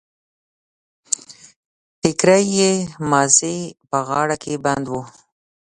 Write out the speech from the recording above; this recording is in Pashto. ټکری يې مازې په غاړه کې بند و.